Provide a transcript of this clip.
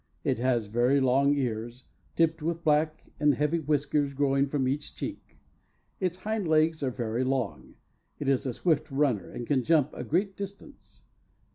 It has very long ears, tipped with black, and heavy whiskers growing from each cheek. Its hind legs are very long. It is a swift runner, and can jump a great distance.